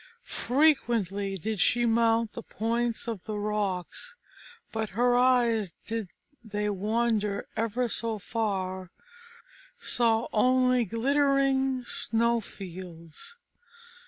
Frequently did she mount the points of the rocks, but her eyes, did they wander ever so far, saw only glittering snow fields.